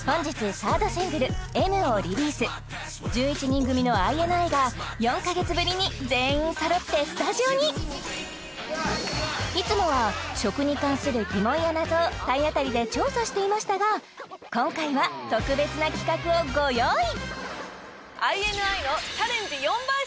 １１人組のＩＮＩが４カ月ぶりに全員そろってスタジオにいつもは食に関する疑問や謎を体当たりで調査していましたが今回は特別な企画をご用意